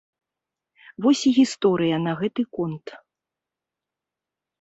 Вось і гісторыя на гэты конт.